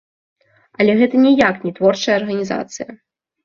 Але гэта ніяк не творчая арганізацыя.